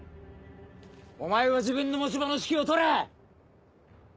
お前は自分の持ち場の指揮を執れ！